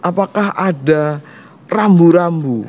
apakah ada rambu rambu